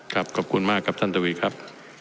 ขอบคุณมากครับท่านทวีครับ